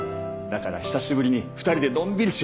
だから久しぶりに２人でのんびりしようと思って。